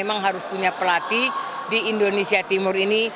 memang harus punya pelatih di indonesia timur ini